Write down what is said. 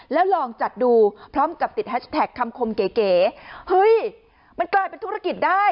แล้วลองจัดดูพร้อมกับติดแฮชแท็กคำคมเก๋เฮ้ยมันกลายเป็นธุรกิจได้